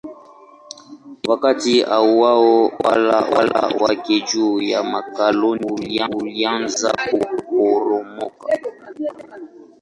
Wakati huohuo utawala wake juu ya makoloni ulianza kuporomoka.